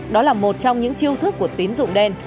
đó là một trong những chiêu thức của tín dụng đen